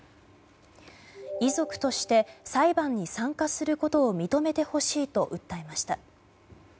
遺族として裁判に参加することを認めてほしいと訴えました。